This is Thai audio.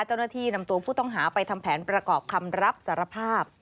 เจ้าหน้าที่นำตัวผู้ต้องหาไปทำแผนประกอบคำรับสารภาพ